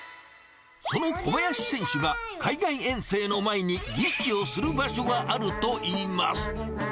その小林選手が、海外遠征の前に儀式をする場所があるといいます。